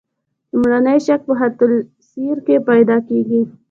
لومړنی شک په خط السیر کې پیدا کیږي.